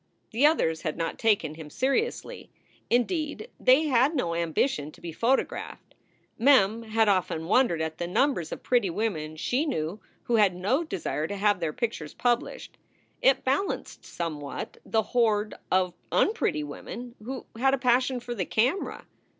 The others had not taken him seriously. Indeed, they had no ambition to be photographed. Mem had often wondered at the numbers of pretty women she knew who had no desire to have their pictures published. It balanced somewhat the horde of unpretty women who had a passion for the camera.